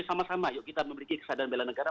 sama sama yuk kita memiliki kesadaran bela negara